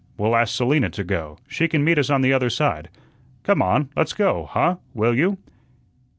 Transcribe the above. We'll ask Selina to go; she can meet us on the other side. Come on, let's go, huh, will you?"